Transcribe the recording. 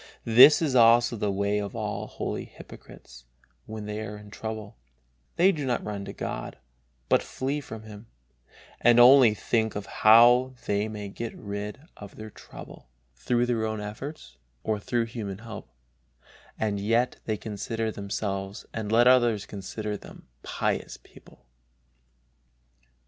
This is also the way of all holy hypocrites when they are in trouble: they do not run to God, but flee from Him, and only think of how they may get rid of their trouble through their own efforts or through human help, and yet they consider themselves and let others consider them pious people.